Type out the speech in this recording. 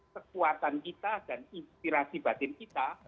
kekuatan kita dan inspirasi batin kita